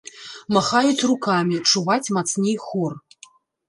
Махаюць рукамі, чуваць мацней хор.